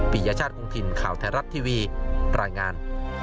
ปียชาติคงถิ่นข่าวไทยรัฐทีวีรายงาน